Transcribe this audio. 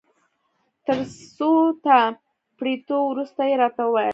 تر څو نا پړيتو وروسته يې راته وویل.